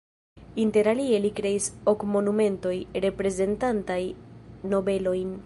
Interalie li kreis ok monumentoj reprezentantaj nobelojn.